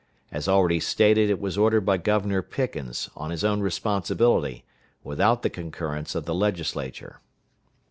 As already stated, it was ordered by Governor Pickens, on his own responsibility, without the concurrence of the Legislature.